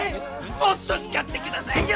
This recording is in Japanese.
もっと叱ってくださいよ！